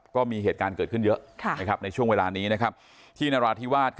ก็มีเหตุการณ์เกิดขึ้นเยอะในช่วงเวลานี้นะครับที่นราธิวาส